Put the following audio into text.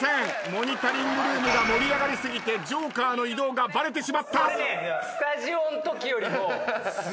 モニタリングルームが盛り上がり過ぎてジョーカーの移動がバレてしまった！